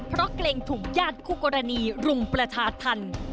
เพราะเกรงถูกญาติคู่กรณีรุมประชาธรรม